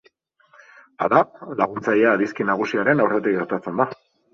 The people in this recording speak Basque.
Hala, laguntzailea adizki nagusiaren aurretik gertatzen da.